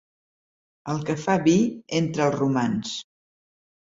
El que fa vi entre els romans.